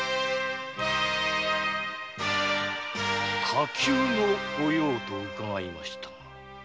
火急の御用とうかがいましたが？